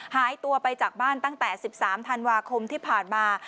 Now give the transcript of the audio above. หายตัวไปจากบ้านตั้งแต่๑๓ธันวาคมที่ผ่านมา